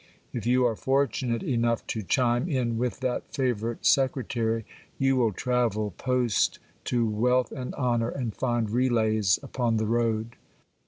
If you are fortunate enough to chime in with that favourite secretary, you will travel post to wealth and honour, and find relays upon the road.